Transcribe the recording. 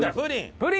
プリン。